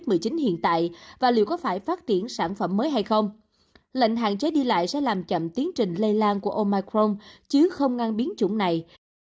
tuy nhiên họ nhận định lệnh hạn chế đi lại sẽ làm chậm tiến trình lây lan của omicron chứ không ngăn biến chủng này